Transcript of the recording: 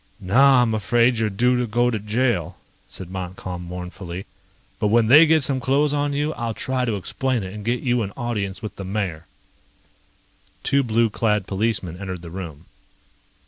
"Now I'm afraid you're due to go to jail," said Montcalm mournfully. "But when they get some clothes on you, I'll try to explain it and get you an audience with the mayor." Two blue clad policemen entered the room.